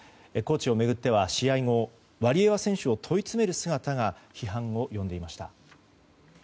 コーチを巡っては試合後、ワリエワ選手を問い詰める姿が批判を呼んでいました。